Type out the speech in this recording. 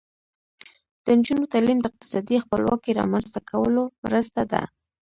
د نجونو تعلیم د اقتصادي خپلواکۍ رامنځته کولو مرسته ده.